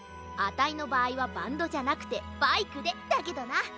あたいのばあいはバンドじゃなくてバイクでだけどな。